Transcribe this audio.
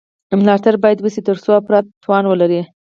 ملاتړ باید وشي ترڅو افراد توان ولري.